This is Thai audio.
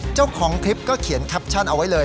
เจ้าของคลิปก็เขียนแคปชั่นเอาไว้เลย